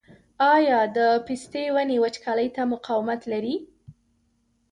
آیا د پستې ونې وچکالۍ ته مقاومت لري؟